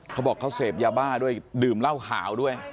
เขาบอกเขาเสพยาบ้าด้วยดื่มเหล้าขาวด้วย